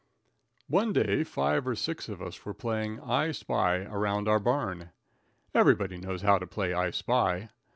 One day five or six of us were playing "I spy" around our barn. Every body knows how to play "I spy."